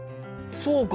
そうか。